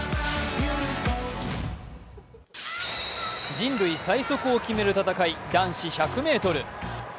人類最速を決める戦い、男子１００ｍ。